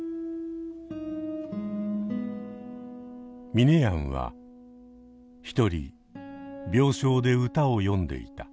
ミネヤンは一人病床で歌を詠んでいた。